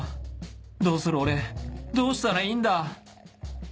どうする俺どうしたらいいんだ